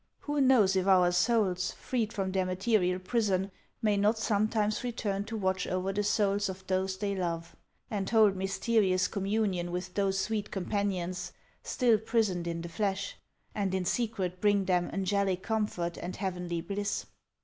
Who knows if our souls, freed from their material prison, may not sometimes re turn to watch over the souls of those they love, and hold mysterious communion with those sweet companions still prisoned in the flesh, and in secret bring them angelic comfort and heavenly bliss